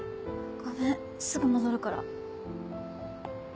ごめんすぐ戻るから。